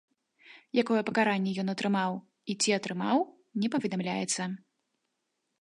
Якое пакаранне ён атрымаў і ці атрымаў, не паведамляецца.